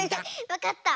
わかった！